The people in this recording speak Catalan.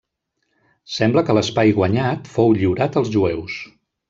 Sembla que l'espai guanyat fou lliurat als jueus.